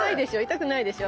痛くないでしょ。